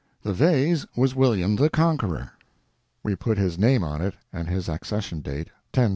The vase was William the Conqueror. We put his name on it and his accession date, 1066.